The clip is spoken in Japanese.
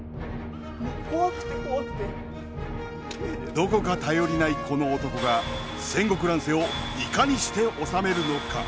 どこか頼りないこの男が戦国乱世をいかにして治めるのか。